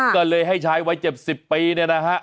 ก็เลยให้ใช้ไว้เจ็บสิบปีเนี่ยนะฮะ